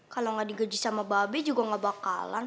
kalau gak digaji sama babiea juga ga bakalan